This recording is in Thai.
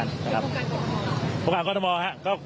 พี่อาจารย์ก็บอกว่ามันใหญ่ที่สุด